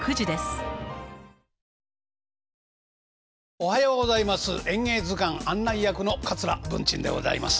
おはようございます。